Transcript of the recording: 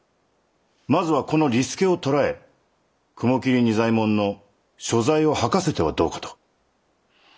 まずはこの利助を捕らえ雲霧仁左衛門の所在を吐かせてはどうかと。